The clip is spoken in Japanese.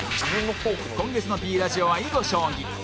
今月の Ｐ ラジオは囲碁将棋